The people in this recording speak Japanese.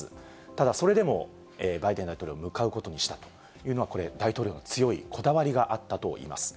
ただそれでも、バイデン大統領、向かうことにしたというのは、これ、大統領の強いこだわりがあったといいます。